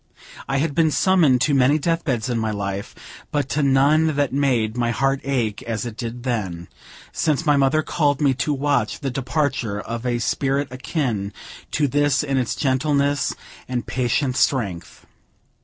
I had been summoned to many death beds in my life, but to none that made my heart ache as it did then, since my mother called me to watch the departure of a spirit akin to this in its gentleness and patient strength.